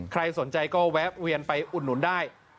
ใครสนใจก็แวะเวียนไปอุดหนุนได้